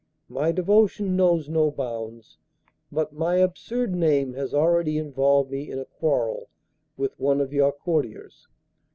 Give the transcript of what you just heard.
My devotion knows no bounds, but my absurd name has already involved me in a quarrel with one of your courtiers.